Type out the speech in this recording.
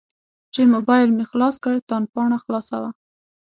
چې موبایل مې خلاص کړ تاند پاڼه خلاصه وه.